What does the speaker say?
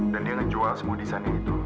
dan dia ngejual semua desainnya itu